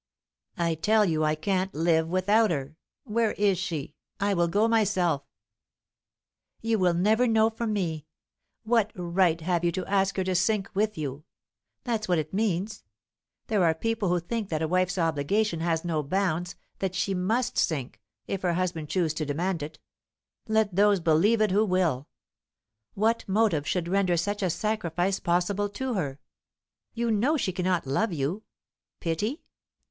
"I tell you I can't live without her. Where is she? I will go myself " "You will never know from me. What right have you to ask her to sink with you? That's what it means. There are people who think that a wife's obligation has no bounds, that she must sink, if her husband choose to demand it. Let those believe it who will. What motive should render such a sacrifice possible to her? You know she cannot love you. Pity?